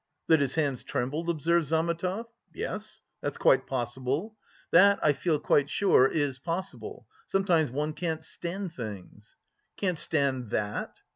"That his hands trembled?" observed Zametov, "yes, that's quite possible. That, I feel quite sure, is possible. Sometimes one can't stand things." "Can't stand that?"